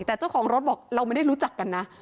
แต่เจ้าของรถบอกเราไม่ได้รู้จักกันนะ